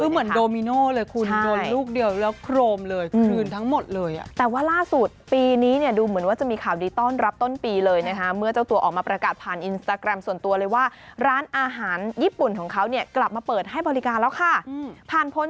คือเหมือนโดมิโน่เลยคุณโดนลูกเดียวแล้วโครมเลยคืนทั้งหมดเลย